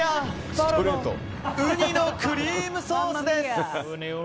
ｆａｌｏのウニのクリームソースです！